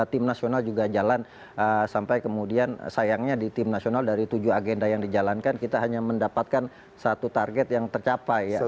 tim nasional juga jalan sampai kemudian sayangnya di tim nasional dari tujuh agenda yang dijalankan kita hanya mendapatkan satu target yang tercapai